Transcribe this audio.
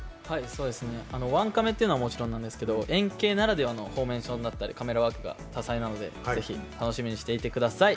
ワンカメっていうのはもちろんなんですけど円形ならではのフォーメーションだったりカメラワークが多彩なのでぜひ楽しみにしていてください。